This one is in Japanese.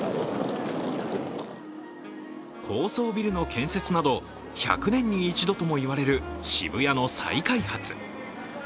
高層ビルの建設など、１００年に一度とも言われる渋谷の再開発。